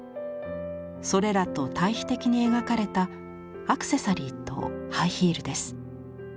それらと対比的に描かれたアクセサリーとハイヒールです。